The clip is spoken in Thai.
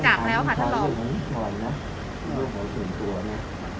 ถึงเรื่องเงินบริจาบแล้วค่ะทั่วรอบ